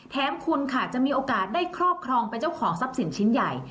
แถมคุณค่ะจะมีโอกาสได้ครอบครองเป็นเจ้าของทรัพย์สินชิ้นใหญ่